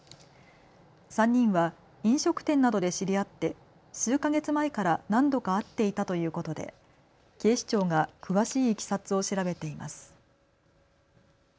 ３人は飲食店などで知り合って数か月前から何度か会っていたということで警視庁が詳しいいきさつを調べています。